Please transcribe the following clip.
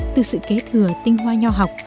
từ sự kế thừa tinh hoa nho học